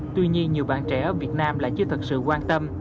tuy nhiên nhiều bạn trẻ ở việt nam lại chưa thật sự quan tâm